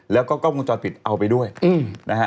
แล้วก็กล้องวงจรปิดเอาไปด้วยนะฮะ